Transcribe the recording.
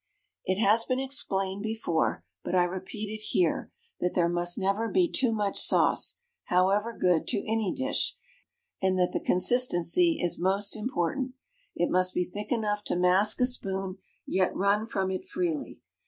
It has been explained before, but I repeat it here, that there must never be too much sauce, however good, to any dish, and that the consistency is most important: it must be thick enough to mask a spoon, yet run from it freely.